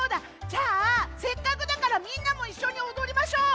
じゃあせっかくだからみんなもいっしょにおどりましょう！